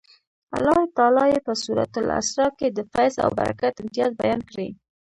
الله تعالی یې په سورة الاسرا کې د فیض او برکت امتیاز بیان کړی.